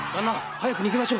早く逃げましょう。